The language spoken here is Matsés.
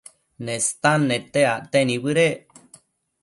Nestan nete acte nibëdec